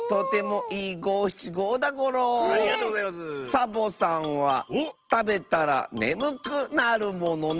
「サボさんはたべたらねむくなるものな」。